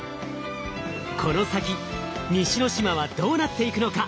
この先西之島はどうなっていくのか？